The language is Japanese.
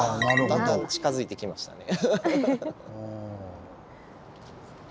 だんだん近づいてきましたね。